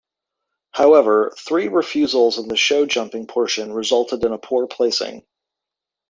However, three refusals in the show jumping portion resulted in a poor placing.